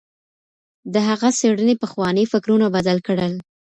د هغه څېړنې پخواني فکرونه بدل کړل.